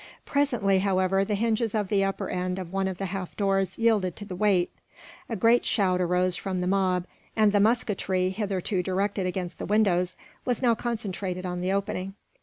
Presently, however, the hinges of the upper end of one of the half doors yielded to the weight. A great shout arose from the mob; and the musketry, hitherto directed against the windows, was now concentrated on the opening.